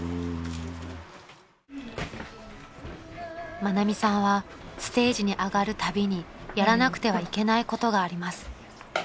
［愛美さんはステージに上がるたびにやらなくてはいけないことがあります］